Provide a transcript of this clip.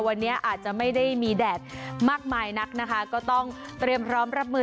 ตอนนี้จะไม่ได้มีแดดมากมากนะคะก็ต้องเตรียมรับมือ